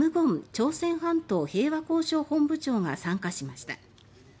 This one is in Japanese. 朝鮮半島平和交渉本部長が参加しました。